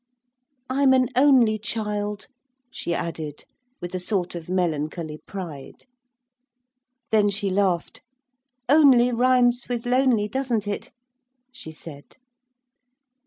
I'm an only child,' she added, with a sort of melancholy pride. Then she laughed. '"Only" rhymes with "lonely," doesn't it?' she said.